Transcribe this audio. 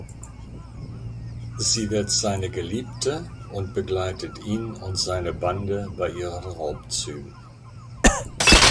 Sie wird seine Geliebte und begleitet ihn und seine Bande bei ihren Raubzügen.